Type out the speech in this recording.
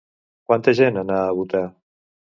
Quanta gent anà a votar?